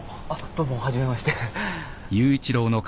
どうも初めまして。